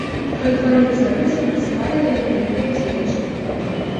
Пры двары царыцы працавалі таленавітыя дзеячы.